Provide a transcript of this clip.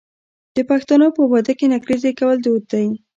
د پښتنو په واده کې نکریزې کول دود دی.